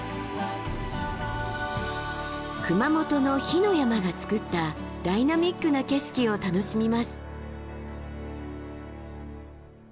熊本の「火の山」がつくったダイナミックな景色を楽しみます。